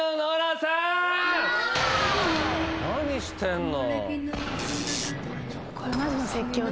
何してんの。